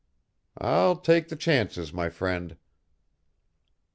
"I'll take the chances my friend."